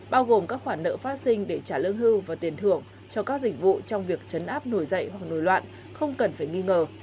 bao gồm các khoản nợ phát sinh để trả lương hưu và tiền thưởng cho các dịch vụ trong việc chấn áp nổi dậy hoặc nồi loạn không cần phải nghi ngờ